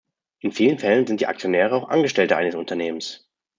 In vielen Fällen sind die Aktionäre auch Angestellte eines Unternehmens.